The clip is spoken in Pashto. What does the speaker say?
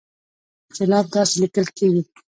سېلاب داسې ليکل کېږي